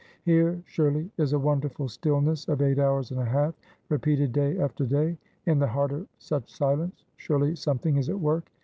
Here surely is a wonderful stillness of eight hours and a half, repeated day after day. In the heart of such silence, surely something is at work.